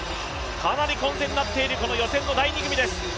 かなり混戦になっている、予選の第２組です。